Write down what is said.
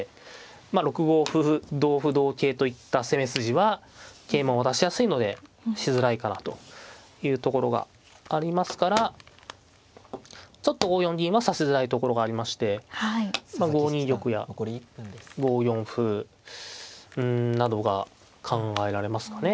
まあ６五歩同歩同桂といった攻め筋は桂馬を渡しやすいのでしづらいかなというところがありますからちょっと５四銀は指しづらいところがありましてまあ５二玉や５四歩などが考えられますかね